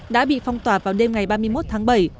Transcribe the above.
đã bị phong tỏa vào đêm ngày ba mươi một tháng bảy